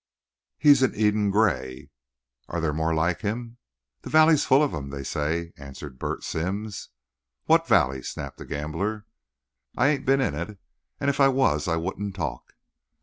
"He's an Eden gray." "Are there more like him?" "The valley's full of 'em, they say," answered Bert Sims. "What valley?" snapped the gambler. "I ain't been in it. If I was I wouldn't talk."